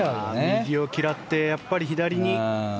右を嫌ってやっぱり左に。